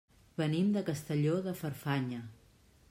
Venim de Castelló de Farfanya.